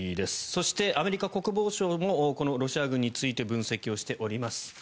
そして、アメリカ国防省もこのロシア軍について分析しています。